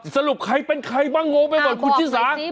สรุปใครเป็นใครบ้างโอเคบอกหนี่